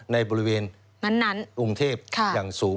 ในบริเวณอุงเทพฯอย่างสูง